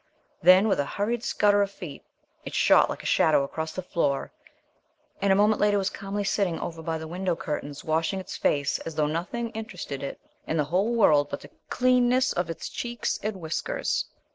Then, with a hurried scutter of feet, it shot like a shadow across the floor and a moment later was calmly sitting over by the window curtains washing its face as though nothing interested it in the whole world but the cleanness of its cheeks and whiskers.